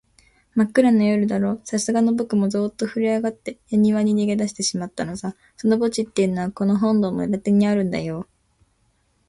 まっくらな夜だろう、さすがのぼくもゾーッとふるえあがって、やにわに逃げだしてしまったのさ。その墓地っていうのは、この本堂の裏手にあるんだよ。